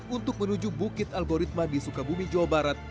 untuk menuju bukit algoritma di sukabumi jawa barat